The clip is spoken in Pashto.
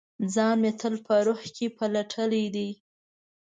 ځان مې تل په روح کې پلټلي دی